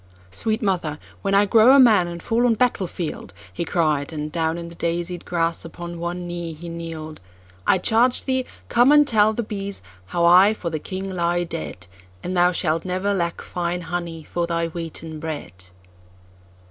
"Sweet mother, when I grow a man and fall on battle field,"He cried, and down in the daisied grass upon one knee he kneel'd,"I charge thee, come and tell the bees how I for the king lie dead; And thou shalt never lack fine honey for thy wheaten bread!"